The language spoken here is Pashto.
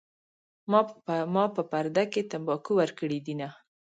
ما په پرده کې تمباکو ورکړي دینه